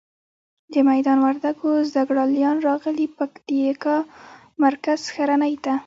د میدان وردګو زده ګړالیان راغلي پکتیکا مرکز ښرنی ته.